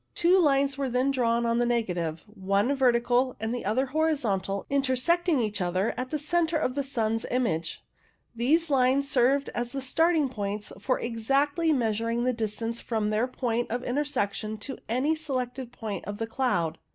Two lines were then drawn on the negative, one vertical and the other horizontal, intersecting each other at the centre of the sun's image. These lines served as the starting points for exactly measuring the distance from their point of intersection to any selected point of the cloud.